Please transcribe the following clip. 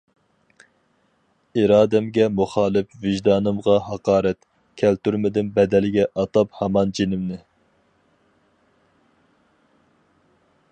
ئىرادەمگە مۇخالىپ ۋىجدانىمغا ھاقارەت، كەلتۈرمىدىم بەدەلگە ئاتاپ ھامان جېنىمنى.